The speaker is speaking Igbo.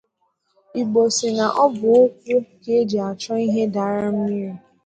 Igbo sị na ọ bụ ụkwụ ka e ji achọ ihe dara mmiri